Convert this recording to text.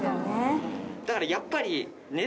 だからやっぱり。